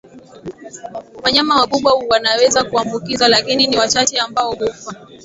Wanyama wakubwa wanaweza kuambukizwa lakini ni wachache ambao hufa